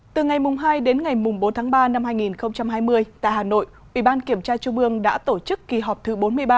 từ ngày hai đến ngày bốn tháng ba năm hai nghìn hai mươi tại hà nội ủy ban kiểm tra trung ương đã tổ chức kỳ họp thứ bốn mươi ba